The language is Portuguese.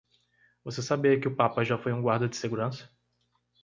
Você sabia que o papa já foi um guarda de segurança?